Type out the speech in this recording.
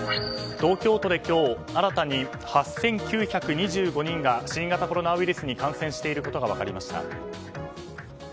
東京都で今日新たに８９２５人が新型コロナウイルスに感染していることが分かりました。